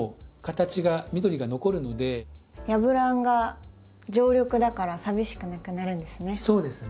ヤブランが常緑だから寂しくなくなるんですね。